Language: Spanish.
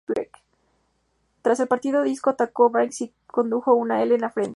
Tras el partido, Díaz atacó Banks y dibujó una "L" en la frente.